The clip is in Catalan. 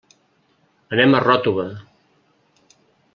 Anem a Ròtova.